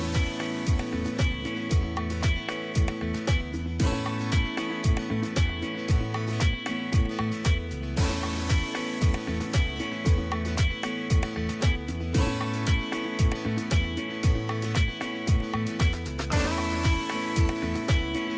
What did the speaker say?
สวัสดีครับ